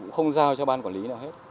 không giao cho ban quản lý nào hết